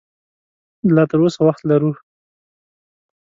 لا تراوسه وخت لرو